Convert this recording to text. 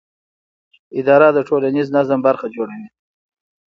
اداره د ټولنیز نظم برخه جوړوي.